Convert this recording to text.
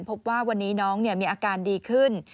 พบว่าวันนี้น้องมีอาการดีขึ้น